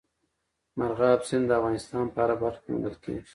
مورغاب سیند د افغانستان په هره برخه کې موندل کېږي.